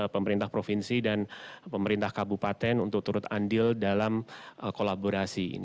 pemerintah provinsi dan pemerintah kabupaten untuk turut andil dalam kolaborasi ini